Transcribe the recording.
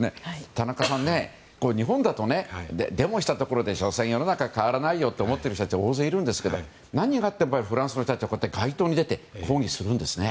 田中さん、日本だとデモしたところで所詮、世の中は変わらないよと思っている人たち大勢いるんですけど何があってもフランスの人たちは街頭に出て抗議するんですね。